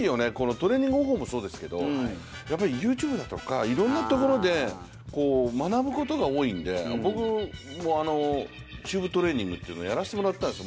トレーニング方法もそうですけどＹｏｕＴｕｂｅだとかいろんなところで学ぶことが多いんで僕もチューブトレーニングというのをやらせてもらったんですよ。